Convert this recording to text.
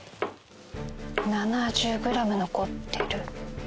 ７０グラム残ってる。